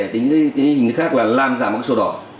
tính cái hình khác là làm giả một cái sổ đỏ